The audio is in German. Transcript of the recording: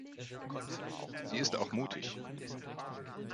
Sie ist auch mutig.